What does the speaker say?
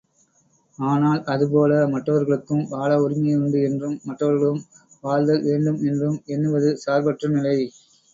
ஆனால், அதுபோல மற்றவர்களுக்கும் வாழ உரிமை உண்டு என்றும் மற்றவர்களும் வாழ்தல் வேண்டும் என்றும் எண்ணுவது சார்பற்ற நிலை.